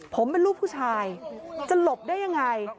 ผมเป็นลูกผู้ชายจะหลบได้ยังไง